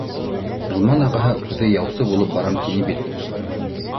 Ғилман ағаһы үҙе яусы булып барам тине бит